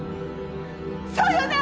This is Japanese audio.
そうよね？